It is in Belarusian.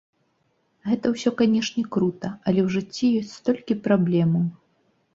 Гэта ўсё, канешне, крута, але ў жыцці ёсць столькі праблемаў!